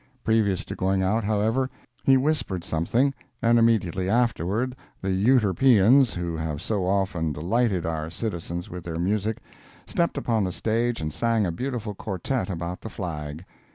Previous to going out, however, he whispered something, and immediately afterward the "Euterpeans," who have so often delighted our citizens with their music, stepped upon the stage and sang a beautiful quartette about The Flag.